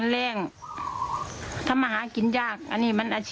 แล้า